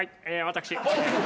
私。